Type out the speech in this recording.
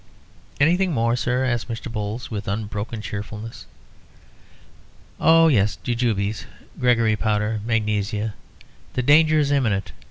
"Anything more, sir?" asked Mr. Bowles, with unbroken cheerfulness. "Oh yes, jujubes Gregory powder magnesia. The danger is imminent.